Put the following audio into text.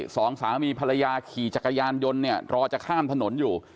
สองสามีภรรยาขี่จักรยานยนต์เนี่ยรอจะข้ามถนนอยู่